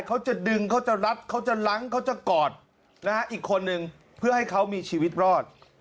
เขาจะดึงเขาจะรัดเขาจะล้างเขาจะกอดนะฮะอีกคนนึงเพื่อให้เขามีชีวิตรอด